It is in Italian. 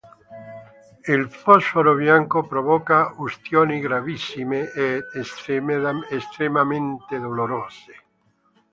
Il fosforo bianco provoca ustioni gravissime ed estremamente dolorose.